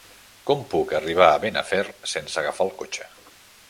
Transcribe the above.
Com puc arribar a Benafer sense agafar el cotxe?